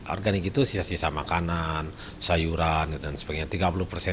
organik itu sisa sisa makanan sayuran dan sebagainya